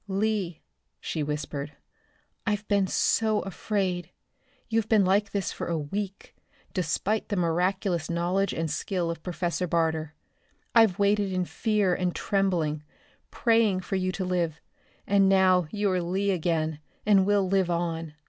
"Lee," she whispered, "I've been so afraid. You've been like this for a week, despite the miraculous knowledge and skill of Professor Barter. I've waited in fear and trembling, praying for you to live, and now you are Lee again, and will live on.